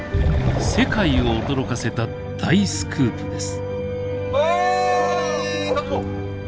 世界を驚かせた大スクープです。